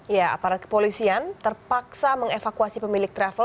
ya aparat kepolisian terpaksa mengevakuasi pemilik travel